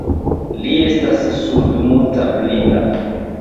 Li estas surdmuta blinda.